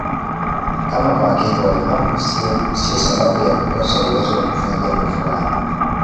Ama kwa hakika ulemavu sio sio sababu ya kukosa uwezo wa kufanya jambo fulani